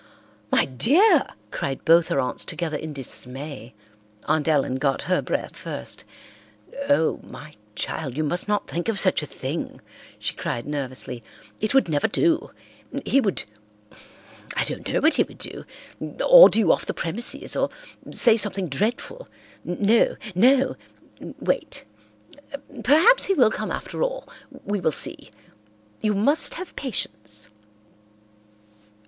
"My dear!" cried both her aunts together in dismay. Aunt Ellen got her breath first. "Oh, my dear child, you must not think of such a thing," she cried nervously. "It would never do. He would—I don't know what he would do—order you off the premises, or say something dreadful. No! No! Wait. Perhaps he will come after all—we will see. You must have patience."